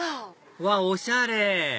うわっおしゃれ！